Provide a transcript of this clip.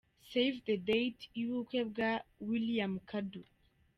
'Save the date' y'ubukwe bwa William Kadu.